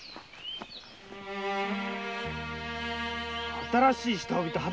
新しい下帯と肌着だぜ。